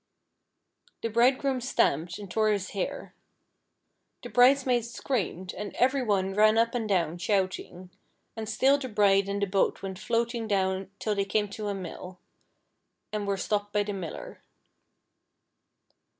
The Bridegroom stamped, and tore his hair. The brides maids screamed, and every one ran up and down shout ing, and still the bride and the boat went floating down till they came to a mill, and were stopped by the miller.